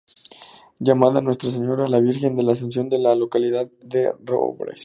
Llamada Nuestra Señora la Virgen de la Asunción de la localidad de Robres.